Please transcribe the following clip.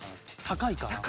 高いから。